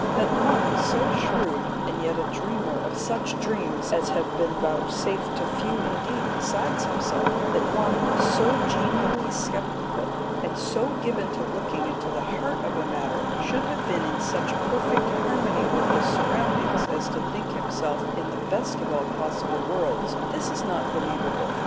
That one so shrewd, and yet a dreamer of such dreams as have been vouchsafed to few indeed besides himself that one so genially sceptical, and so given to looking into the heart of a matter, should have been in such perfect harmony with his surroundings as to think himself in the best of all possible worlds this is not believable.